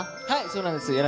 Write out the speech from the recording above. はい、そうなんです。